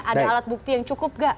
ada alat bukti yang cukup gak